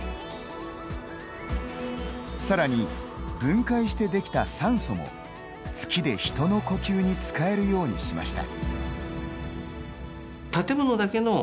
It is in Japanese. さらに分解してできた酸素も月で人の呼吸に使えるようにしました。